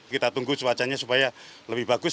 kita tunggu cuacanya supaya lebih bagus